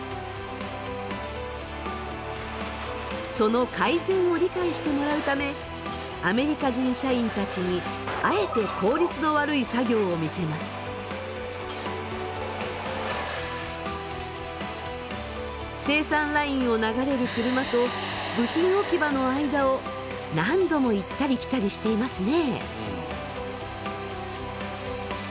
その改善を理解してもらうためアメリカ人社員たちにあえて生産ラインを流れる車と部品置き場の間を何度も行ったり来たりしていますね。